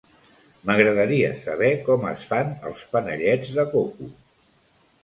M'agradaria saber com es fan els panellets de coco.